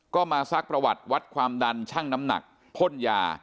ก็มาซักประวัติวัดความดันช่างน้ำหนักพ่นยา